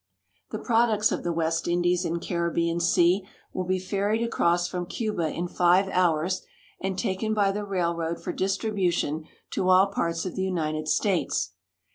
The products of the West Indies and Caribbean sea will be ferried across from Cuba in five hours and taken b}^!^ railroad for distribution to all parts of the United States.